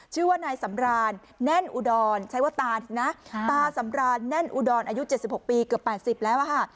ชื่อว่านายสำรานแน่นอุดรใช้ว่าตานะตาสำรานแน่นอุดรอายุ๗๖ปีเกือบ๘๐แล้วค่ะ